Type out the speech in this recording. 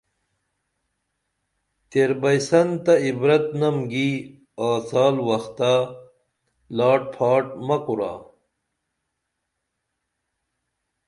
تیر بئیسن تہ عبرت نم گی آڅال وختہ لاٹ فاٹ مہ کُرا